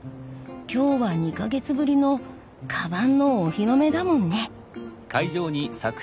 今日は２か月ぶりのかばんのお披露目だもんね。